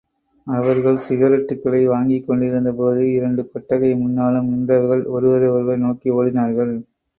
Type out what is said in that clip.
அவர்கள் சிகரெட்டுக்களை வாங்கி கொண்டிருந்தபோது, இரண்டு கொட்டகை முன்னாலும் நின்றவர்கள், ஒருவரை ஒருவர் நோக்கி ஓடினார்கள்.